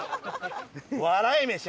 笑い飯